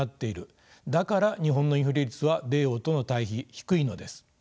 だから日本のインフレ率は米欧との対比低いのです。